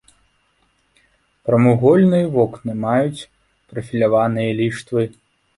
Прамавугольныя вокны маюць прафіляваныя ліштвы.